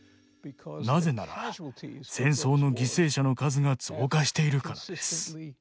なぜなら戦争の犠牲者の数が増加しているからです。